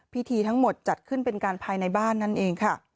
พิธีทั้งหมดจัดขึ้นเป็นการภายในบ้านนั่นเองค่ะ